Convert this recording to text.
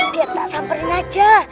biar tak sabarin aja